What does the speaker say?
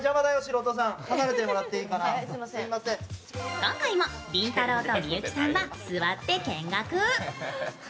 今回もりんたろーと幸さんは座って見学。